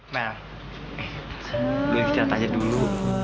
mel lu istirahat aja dulu